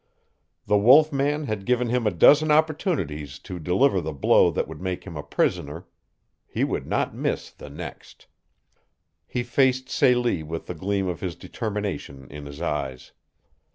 The wolf man had given him a dozen opportunities to deliver the blow that would make him a prisoner. He would not miss the next. He faced Celie with the gleam of this determination in his eyes.